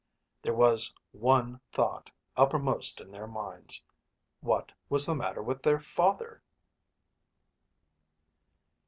There was one thought uppermost in their minds. What was the matter with their father?